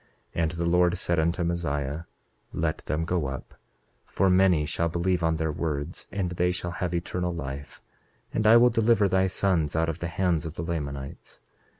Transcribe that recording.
28:7 And the Lord said unto Mosiah: Let them go up, for many shall believe on their words, and they shall have eternal life; and I will deliver thy sons out of the hands of the Lamanites.